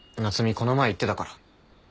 この前言ってたから。